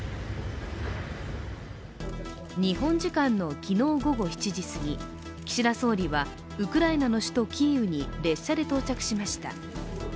日本時間の昨日午後７時すぎ、岸田総理はウクライナの首都キーウに列車で到着しました。